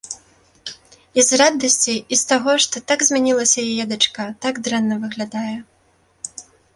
І з радасці, і з таго, што так змянілася яе дачка, так дрэнна выглядае.